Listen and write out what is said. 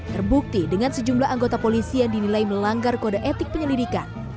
terbukti dengan sejumlah anggota polisi yang dinilai melanggar kode etik penyelidikan